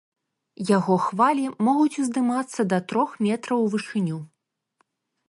Яго хвалі могуць уздымацца да трох метраў у вышыню.